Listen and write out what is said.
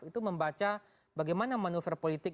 itu membaca bagaimana manuver politik